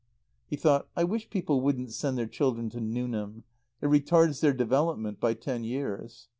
He thought: "I wish people wouldn't send their children to Newnham. It retards their development by ten years."